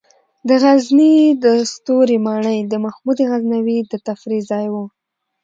د غزني د ستوري ماڼۍ د محمود غزنوي د تفریح ځای و